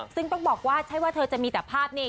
ซึ่งต้องบอกว่าใช่ว่าเธอจะมีแต่ภาพนี้